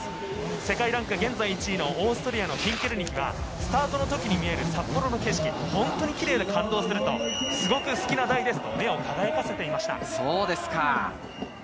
世界ランク現在１位のオーストリアのピンケルニヒはスタートの時に見える札幌の景色は本当にキレイで感動する、すごく好きな台ですと、目を輝かせていました。